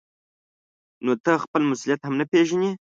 نو ته خپل مسؤلیت هم نه پېژنې.